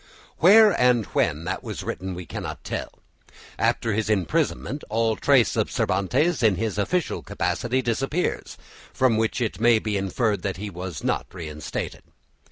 Where and when that was written, we cannot tell. After his imprisonment all trace of Cervantes in his official capacity disappears, from which it may be inferred that he was not reinstated.